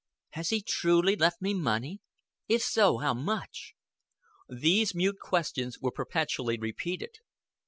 "Has he truly left me money? If so, how much?" These mute questions were perpetually repeated.